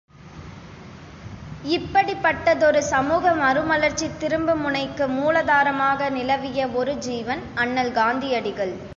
இப்படிப்பட்டதொரு சமூக மறுமலர்ச்சித் திரும்பு முனைக்கு மூலாதாரமாக நிலவிய ஒரு ஜீவன், அண்ணல் காந்தியடிகள்.